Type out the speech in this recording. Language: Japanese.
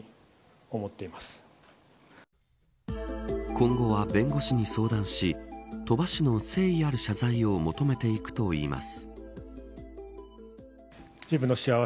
今後は弁護士に相談し鳥羽氏の誠意ある謝罪を求めていくといいます。